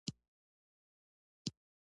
که څوک بې احترامي وکړي ټولنه یې ورټي.